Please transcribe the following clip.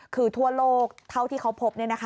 คือทั่วโลกเท่าที่เขาพบ